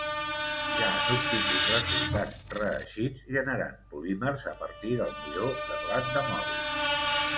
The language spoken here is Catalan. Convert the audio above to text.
Ja han obtingut resultats reeixits generant polímers a partir del midó de blat de moro.